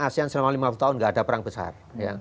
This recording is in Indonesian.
asean selama lima puluh tahun tidak ada perang besar